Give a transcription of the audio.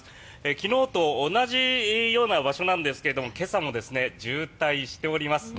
昨日と同じような場所なんですが今朝も渋滞しております。